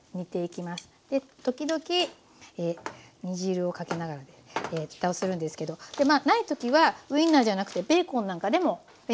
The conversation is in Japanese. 時々煮汁をかけながらふたをするんですけどでまあない時はウインナーじゃなくてベーコンなんかでもいいんですね。